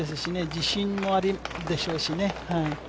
自信もあるんでしょうしね。